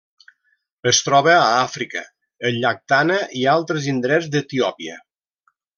Es troba a Àfrica: el llac Tana i altres indrets d'Etiòpia.